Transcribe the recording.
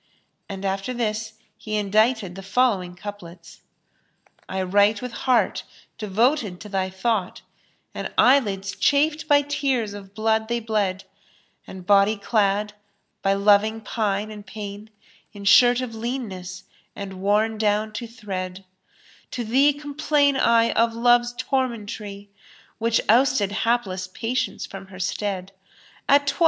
And after this he indited the following couplets, "I write with heart devoted to thy thought, * And eyelids chafed by tears of blood they bled; And body clad, by loving pine and pain, * In shirt of leanness, and worn down to thread, To thee complain I of Love's tormentry, * Which ousted hapless Patience from her stead: A toi!